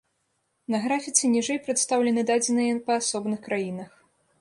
На графіцы ніжэй прадстаўлены дадзеныя па асобных краінах.